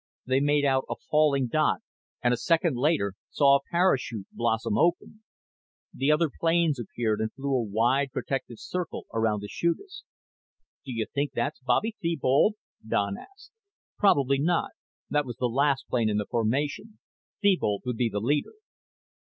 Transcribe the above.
They made out a falling dot and, a second later, saw a parachute blossom open. The other planes appeared and flew a wide protective circle around the chutist. "Do you think that's Bobby Thebold?" Don asked. "Probably not. That was the last plane in the formation. Thebold would be the leader."